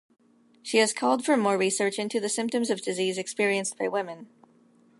She has called for more research into the symptoms of disease experienced by women.